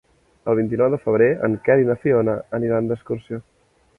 El vint-i-nou de febrer en Quer i na Fiona aniran d'excursió.